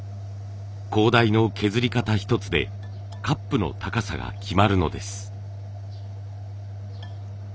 高台の削り方一つでカップの高さが決まるのです。